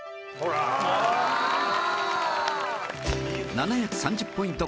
７３０ポイント